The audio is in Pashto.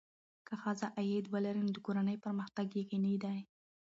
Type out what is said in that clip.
که ښځه عاید ولري، نو د کورنۍ پرمختګ یقیني دی.